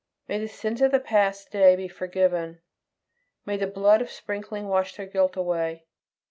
May the sins of the past day be forgiven; may the blood of sprinkling wash their guilt away.